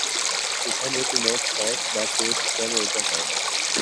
এখানে কোন সস বা পেস্ট ব্যবহৃত হয়না।